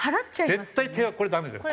絶対手はこれダメだよ。